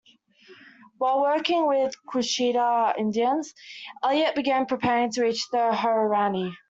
While working with Quechua Indians, Elliot began preparing to reach the Huaorani.